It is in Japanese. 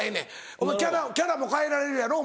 お前キャラも変えられるやろお前。